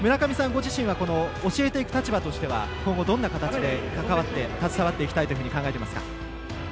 ご自身は教えていく立場としては今後、どんな形で携わっていきたいというふうに考えていますか？